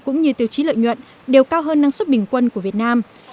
cũng như tiêu chí lợi nhuận đều cao hơn năng suất bình quân của việt nam